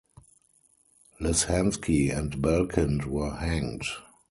Lishansky and Belkind were hanged.